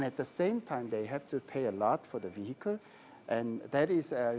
dan pada saat itu mereka harus bayar banyak untuk kendaraan